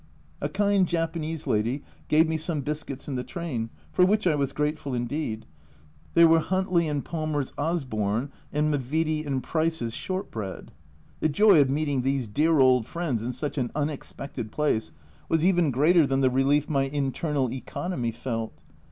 A kind Japanese lady gave me some biscuits in the train, for which I was grateful indeed ; they were Huntley and Palmers' "Osborne," and M'Vitie and Price's Shortbread ! The joy of meeting these dear old friends in such an 'unexpected place was even greater than the relief my internal economy felt.